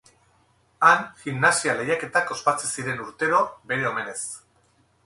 Han, gimnasia lehiaketak ospatzen ziren urtero bere omenez.